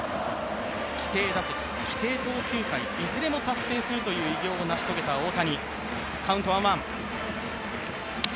規定打席、規定投球回いずれも達成するという偉業を成し遂げた大谷。